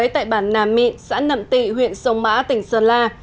tại bản nam mịn xã nậm tị huyện sông mã tỉnh sơn la